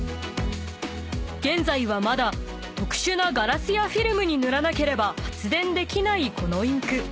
［現在はまだ特殊なガラスやフィルムに塗らなければ発電できないこのインク］